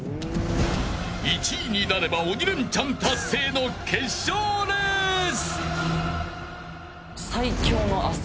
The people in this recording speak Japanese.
１位になれば鬼レンチャン達成の決勝レース。